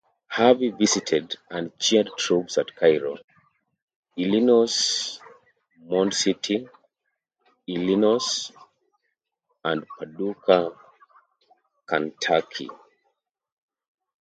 Harvey visited and cheered troops at Cairo, Illinois, Mound City, Illinois and Paducah, Kentucky.